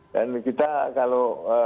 dan kita kalau